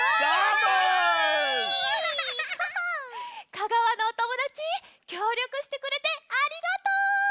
香川のおともだちきょうりょくしてくれてありがとう！